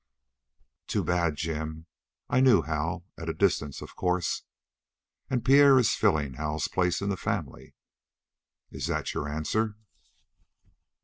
"Too bad, Jim. I knew Hal; at a distance, of course." "And Pierre is filling Hal's place in the family." "Is that your answer?"